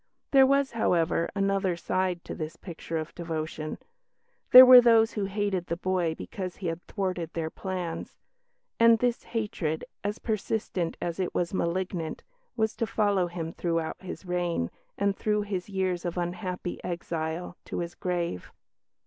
There was, however, another side to this picture of devotion. There were those who hated the boy because he had thwarted their plans." And this hatred, as persistent as it was malignant, was to follow him throughout his reign, and through his years of unhappy exile, to his grave.